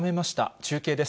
中継です。